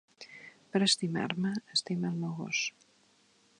Per estimar-me, estima el meu gos.